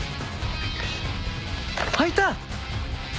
開いた！